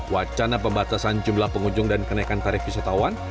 wacana pembatasan jumlah pengunjung dan kenaikan tarif wisatawan